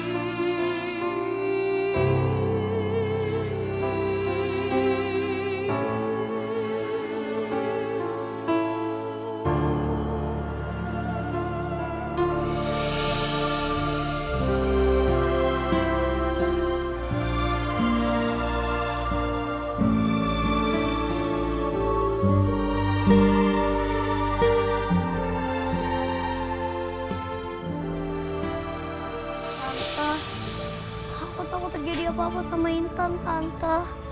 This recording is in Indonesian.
tante aku takut jadi apa apa sama intan tante